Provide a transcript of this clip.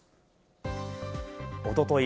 おととい